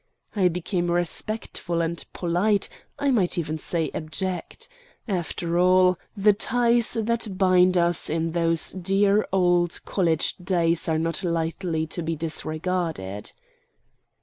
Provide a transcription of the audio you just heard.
I became respectful and polite, I might even say abject. After all, the ties that bind us in those dear old college days are not lightly to be disregarded.